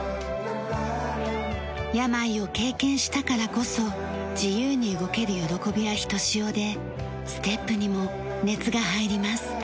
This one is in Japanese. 病を経験したからこそ自由に動ける喜びはひとしおでステップにも熱が入ります。